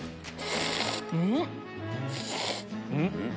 うん！